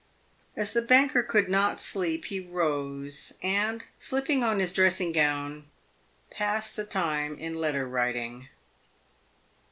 As the banker could not sleep, he rose, and, slipping on his dressing gown, passed the time in letter writing.